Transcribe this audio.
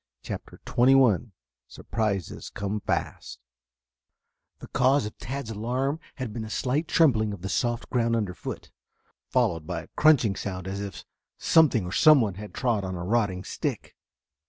CHAPTER XXI SURPRISES COME FAST The cause of Tad's alarm had been a slight trembling of the soft ground underfoot, followed by a crunching sound as if something or someone had trod on a rotting stick.